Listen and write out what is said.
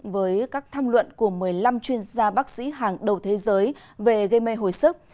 với các tham luận của một mươi năm chuyên gia bác sĩ hàng đầu thế giới về gây mê hồi sức